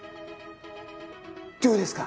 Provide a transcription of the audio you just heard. どうですか？